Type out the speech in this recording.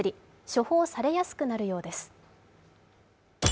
処方されやすくなるようです。